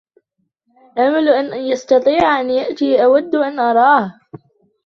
آمل أن يستطيع أن يأتي! أود أن أراه.